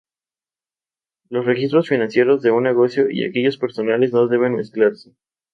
Los registros financieros de un negocio y aquellos personales no deben mezclarse.